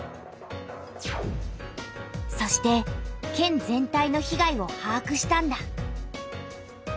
そして県全体の被害をはあくしたんだ。